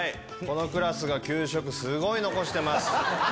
このクラス給食すごい残してます。